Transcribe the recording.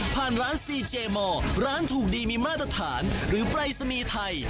ผ่านร้านซีเจมอร์ร้านถูกดีมีมาตรฐานหรือไปรสมีไทย